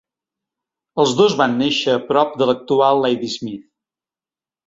Els dos van néixer a prop de l'actual Ladysmith.